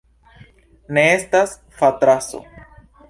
Ne estas fatraso.